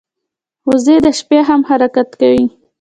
وزې د شپې هم حرکت کوي